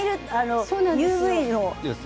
ＵＶの。